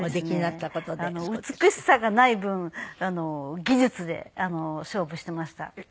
美しさがない分技術で勝負していました。